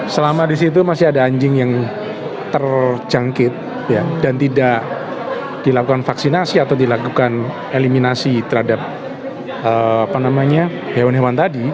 selama di situ masih ada anjing yang terjangkit ya dan tidak dilakukan vaksinasi atau dilakukan eliminasi tersebut